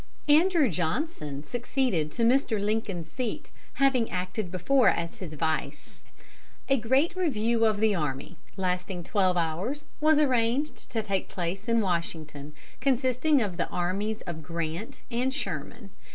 Andrew Johnson succeeded to Mr. Lincoln's seat, having acted before as his vice. A great review of the army, lasting twelve hours, was arranged to take place in Washington, consisting of the armies of Grant and Sherman.